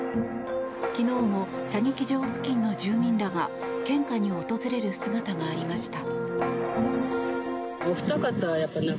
昨日も射撃場付近の住民らが献花に訪れる姿がありました。